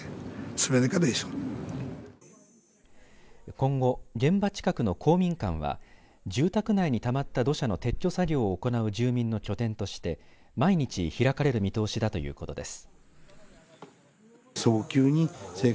今後、現場近くの公民館は住宅内にたまった土砂の撤去作業を行う住民の拠点として毎日開かれる見通しだということです。